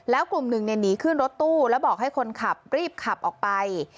แล้วกลุ่มหนึ่งหนีขึ้นรถตู้แล้วบอกให้คนขับรีบขับออกไป